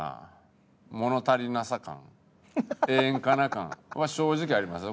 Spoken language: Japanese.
物足りなさ感ええんかな感は正直ありますよ。